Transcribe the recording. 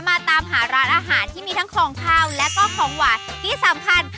มาตามหาร้านอาหารที่มีทั้งของข้าวและก็ของหวานที่สำคัญ